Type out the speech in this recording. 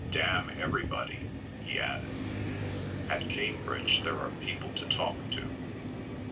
Damn everybody!" he added. "At Cambridge there are people to talk to."